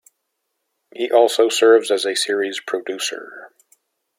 He also served as a series producer.